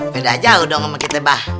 beda jauh dong sama kita bah